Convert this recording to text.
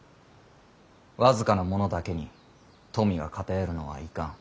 僅かな者だけに富が偏るのはいかん。